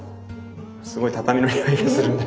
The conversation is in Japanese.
すごい畳のにおいがするんだけれど。